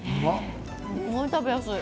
すごく食べやすい。